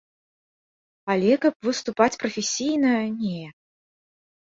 Але каб выступаць прафесійна, не.